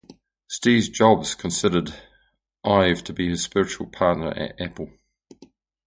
Steve Jobs considered Ive to be his "spiritual partner at Apple".